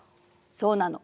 そうなの。